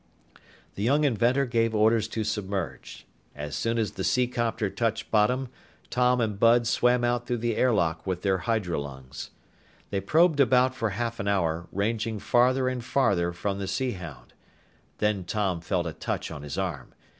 The young inventor gave orders to submerge. As soon as the seacopter touched bottom, Tom and Bud swam out through the air lock with their hydrolungs. They probed about for half an hour, ranging farther and farther from the Sea Hound. Then Tom felt a touch on his arm.